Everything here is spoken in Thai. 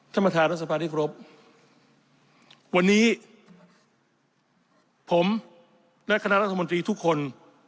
ธรรมธารณสภาที่ครบวันนี้ผมและคณะรัฐบาลนี้ทุกคน